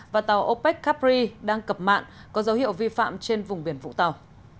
và tàu opec cupri đang cập mạng có dấu hiệu vi phạm trên vùng biển vũng tàu